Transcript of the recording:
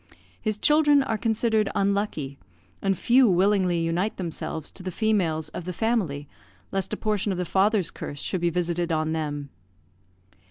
His children are considered unlucky, and few willingly unite themselves to the females of the family, lest a portion of the father's curse should be visited on them.